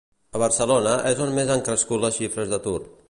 A Barcelona és on més han crescut les xifres d'atur.